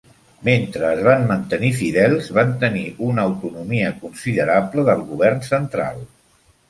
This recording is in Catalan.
Mentre es van mantenir fidels, van tenir una autonomia considerable del govern central.